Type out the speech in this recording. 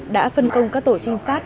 đã phân công các tổ trinh sát